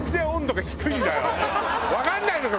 わかんないのか！